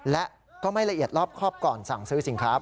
และก็ไม่ละเอียดรอบครอบก่อนสั่งซื้อสินค้า